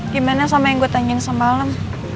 gimana sama yang gue tanyain semalam